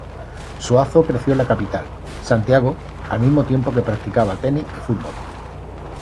Suazo creció en la capital, Santiago, al mismo tiempo que practicaba tenis y fútbol.